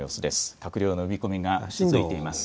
閣僚の呼び込みが続いています。